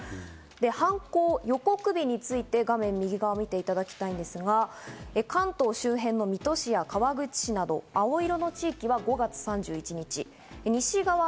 で、犯行予告日について見ていただきたいんですが関東周辺の水戸市や川口市など青色の地域は５月３１日。